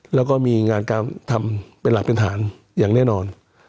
แล้วก็มีงานการทำเป็นหลักเป็นฐานอย่างแน่นอน